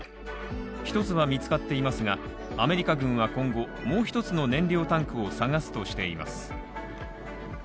一つは見つかっていますが、アメリカ軍は今後もう一つの燃料タンクを探すとしています。